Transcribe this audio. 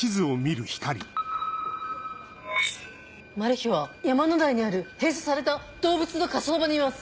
マルヒは山野台にある閉鎖された動物の火葬場にいます。